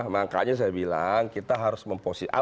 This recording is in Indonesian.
makanya saya bilang kita harus memposisi